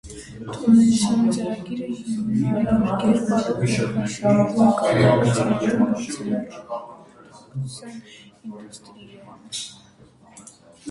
Թոմիլսոնի ծրագիրը հիմնարար կերպով հեղաշրջում կատարեց մարդկանց հեռահաղորդակցության ինդուստրիայում։